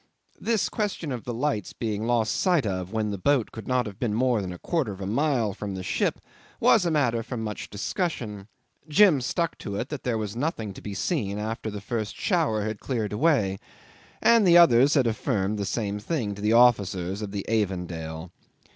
This question of the lights being lost sight of when the boat could not have been more than a quarter of a mile from the ship was a matter for much discussion. Jim stuck to it that there was nothing to be seen after the first shower had cleared away; and the others had affirmed the same thing to the officers of the Avondale.